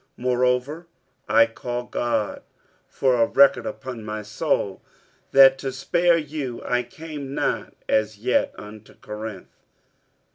47:001:023 Moreover I call God for a record upon my soul, that to spare you I came not as yet unto Corinth.